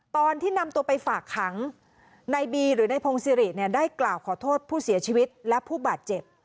ตอนที่นำตัวไปฝากขังในบีหรือนายพงศิริเนี่ยได้กล่าวขอโทษผู้เสียชีวิตและผู้บาดเจ็บ